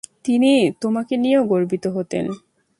তিনি তোমাকে নিয়েও গর্বিত হতেন।